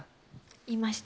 言いました。